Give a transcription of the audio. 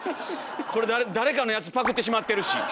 これ誰かのやつパクってしまってるし。